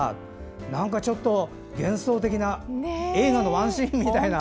なんかちょっと、幻想的な映画のワンシーンみたいな。